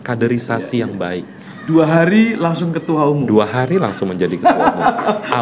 kaderisasi yang baik dua hari langsung ketua umum dua hari langsung menjadi ketua umum